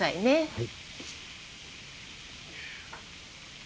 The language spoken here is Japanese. はい。